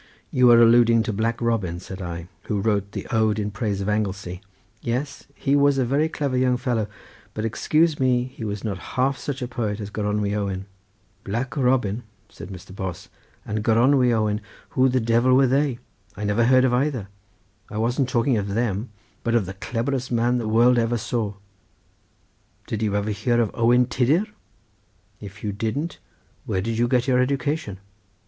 "You are alluding to Black Robin," said I, "who wrote the ode in praise of Anglesey—yes, he was a very clever young fellow, but excuse me, he was not half such a poet as Gronwy Owen." "Black Robin," said Mr. Bos, "and Gronow Owen, who the Devil were they? I never heard of either. I wasn't talking of them, but of the clebberest man the world ever saw. Did you never hear of Owen Tiddir? If you didn't, where did you get your education?"